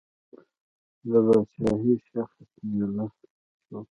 د پاچا شخصي مېلمه شوم.